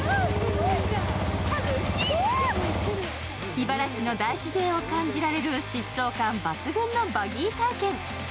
茨城の大自然を感じられる疾走感抜群のバギー体験。